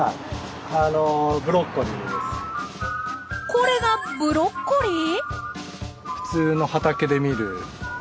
これがブロッコリー？